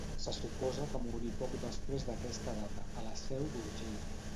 Se suposa que morí poc després d'aquesta data, a la Seu d'Urgell.